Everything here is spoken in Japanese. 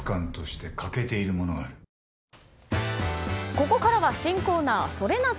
ここからは新コーナーソレなぜ？